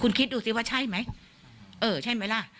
คุณคิดดูสิว่าใช่ไหมเออใช่ไหมล่ะ